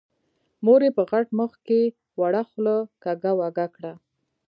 مور يې په غټ مخ کې وړه خوله کږه وږه کړه.